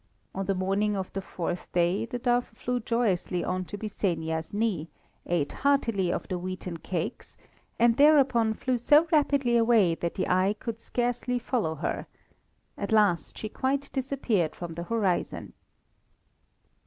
On the morning of the fourth day, the dove flew joyously on to Byssenia's knee, ate heartily of the wheaten cakes, and thereupon flew so rapidly away that the eye could scarcely follow her: at last she quite disappeared from the horizon.